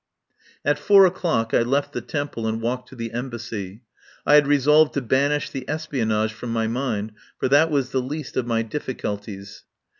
At four o'clock I left the Temple and walked to the Embassy. I had resolved to banish the espionage from my mind, for that was the least of my difficulties.